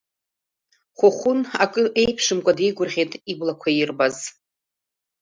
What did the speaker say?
Хәыхәын акы еиԥшымкәа деигәырӷьеит иблақәа ирбаз.